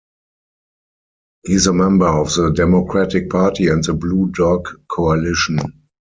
He is a member of the Democratic Party and the Blue Dog Coalition.